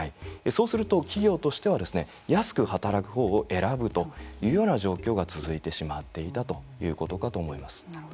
そうすると、企業としては安く働く方を選ぶというような状況が続いてしまっていたということかと思います。